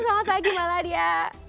selamat pagi mbak ladia